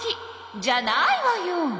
じゃないわよ！